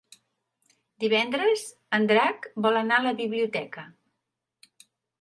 Divendres en Drac vol anar a la biblioteca.